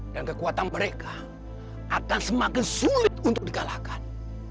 dan kekuatan mereka akan semakin sulit untuk dikalahkan